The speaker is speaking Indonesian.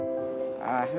udah taruh aja sini